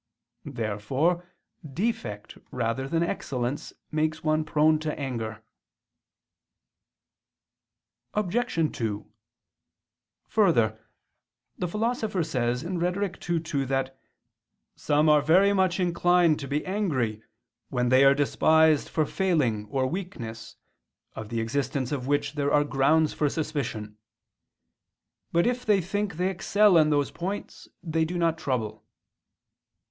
Therefore defect rather than excellence makes one prone to anger. Obj. 2: Further, the Philosopher says (Rhet. ii, 2) that "some are very much inclined to be angry when they are despised for some failing or weakness of the existence of which there are grounds for suspicion; but if they think they excel in those points, they do not trouble."